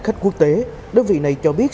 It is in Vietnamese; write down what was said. khách quốc tế đơn vị này cho biết